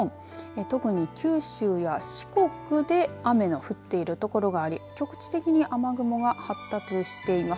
特に九州や四国で雨の降っている所があり局地的に雨雲が発達をしています。